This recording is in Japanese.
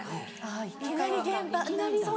いきなり現場なんだ。